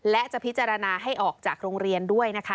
และจะพิจารณาให้ออกจากโรงเรียนด้วยนะคะ